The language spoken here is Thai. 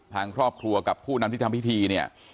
ทางครอบครัวกับผู้นำที่ทำพิธีเนี่ย